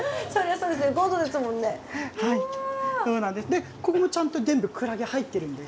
でここもちゃんと全部クラゲ入っているんです。